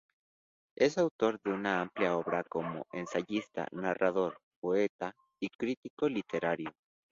Es autor de una amplia obra como ensayista, narrador, poeta y crítico literario.